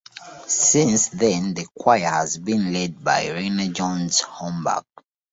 Since then the choir has been led by Rainer Johannes Homburg.